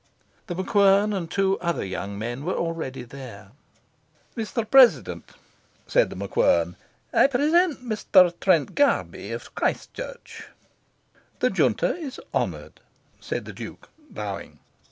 The MacQuern and two other young men were already there. "Mr. President," said The MacQuern, "I present Mr. Trent Garby, of Christ Church." "The Junta is honoured," said the Duke, bowing.